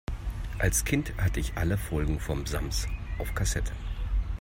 Als Kind hatte ich alle Folgen vom Sams auf Kassette.